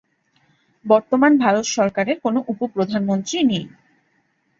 বর্তমান ভারত সরকারের কোনো উপ-প্রধানমন্ত্রী নেই।